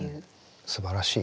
すばらしい。